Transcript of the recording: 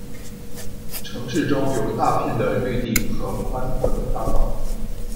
城市中有大片的绿地和宽阔的大道。